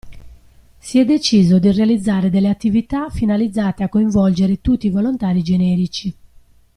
Si è deciso di realizzare delle attività finalizzate a coinvolgere tutti i volontari generici.